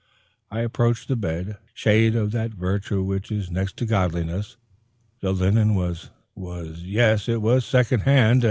I approached the bed. Shade of that virtue which is next to godliness! the linen was was yes, it was second hand!